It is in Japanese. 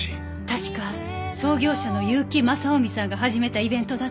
確か創業者の結城正臣さんが始めたイベントだと。